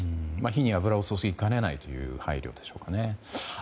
火に油を注ぎかねないという配慮でしょうかね。